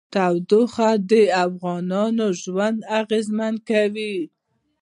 تودوخه د افغانانو ژوند اغېزمن کوي.